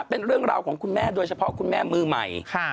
เป็นเรื่องราวของคุณแม่โดยเฉพาะคุณแม่มือใหม่